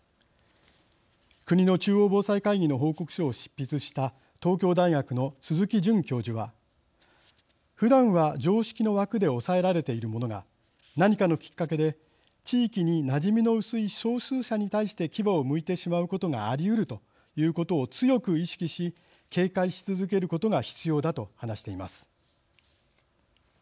国の中央防災会議の報告書を執筆した東京大学の鈴木淳教授は「ふだんは常識の枠で抑えられているものが何かのきっかけで地域になじみの薄い少数者に対して牙をむいてしまうことがありうるということを強く意識し警戒し続けることが必要だ」と話しています。